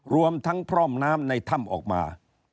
รวมทั้งพร่องน้ำในถ้ำออกมา